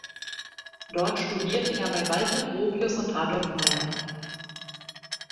Dort studierte er bei Walter Gropius und Adolf Meyer.